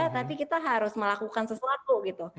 tapi kita harus melakukan sesuatu gitu